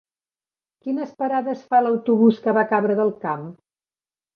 Quines parades fa l'autobús que va a Cabra del Camp?